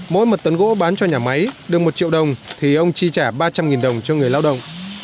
mỗi một tấn gỗ bán cho nhà máy được một triệu đồng thì ông chi trả ba trăm linh đồng cho người lao động